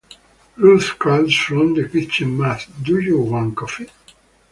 Ruth calls from the kitchen, Matt, do you want coffee?